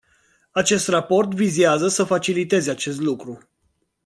Acest raport vizează să faciliteze acest lucru.